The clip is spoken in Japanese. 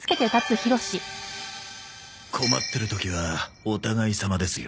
困ってる時はお互いさまですよ。